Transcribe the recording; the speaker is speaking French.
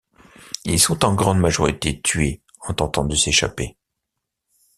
Ils sont en grande majorité tués en tentant de s'échapper.